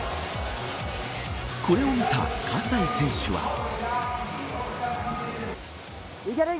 これを見た葛西選手は。